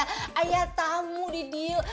saya tamu di deal